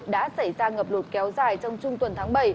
đã xảy ra ngập lụt kéo dài trong trung tuần tháng bảy